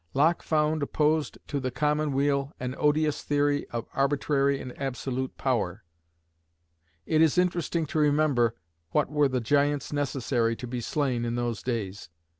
Locke found opposed to the common weal an odious theory of arbitrary and absolute power. It is interesting to remember what were the giants necessary to be slain in those days.